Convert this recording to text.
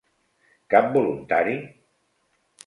Cap voluntari?